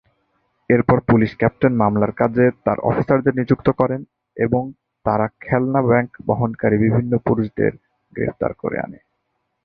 এরপর police captain মামলার কাজে তার অফিসারদের নিযুক্ত করেন এবং তারা খেলনা ব্যাংক বহনকারী বিভিন্ন পুরুষদের গ্রেফতার করে আনে।